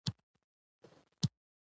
• په غونډه کې د خبرو لپاره کښېنه.